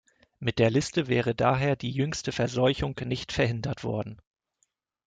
Mit der Liste wäre daher die jüngste Verseuchung nicht verhindert worden.